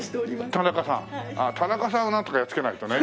田中さんをなんとかやっつけないとね。